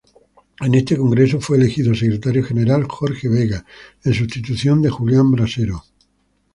En este Congreso fue elegido Secretario General Jorge Vega, en sustitución de Julián Brasero.